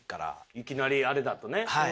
いきなりあれだとね。